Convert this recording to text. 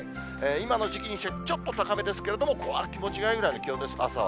今の時期にしてはちょっと高めですけれども、気持ちいいぐらいの気温です、朝は。